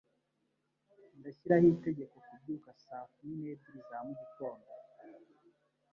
Ndashyiraho itegeko kubyuka saa kumi n'ebyiri za mugitondo.